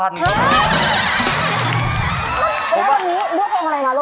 วันนี้ด้วงเพลงอะไรนะลูก